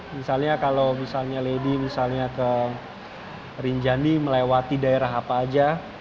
misalnya kalau misalnya lady misalnya ke rinjandi melewati daerah apa aja